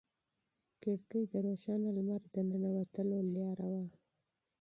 کړکۍ د روښانه لمر د ننوتلو لاره وه.